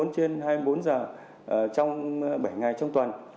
hai mươi bốn trên hai mươi bốn giờ trong bảy ngày trong tuần